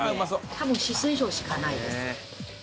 多分四川省しかないです。